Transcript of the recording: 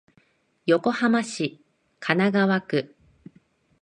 横浜市神奈川区